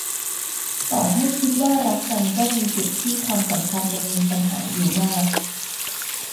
ต่อให้คิดว่ารักกันก็มีจุดที่ความสัมพันธ์ยังมีปัญหาอยู่มาก